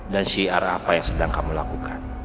dan syiar apa yang sedang kamu lakukan